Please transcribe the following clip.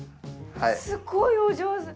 すごいお上手。